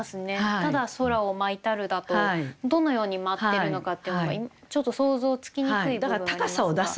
ただ「宙を舞ひたる」だとどのように舞ってるのかっていうのがちょっと想像つきにくい部分はありますが。